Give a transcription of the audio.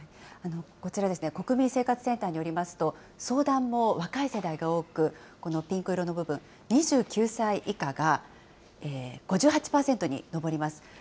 こちらですね、国民生活センターによりますと、相談も若い世代が多く、ピンク色の部分、２９歳以下が５８％に上ります。